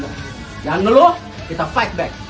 jangan ngeluh kita fight back